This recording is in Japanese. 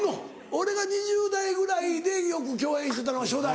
俺が２０代ぐらいでよく共演してたのが初代。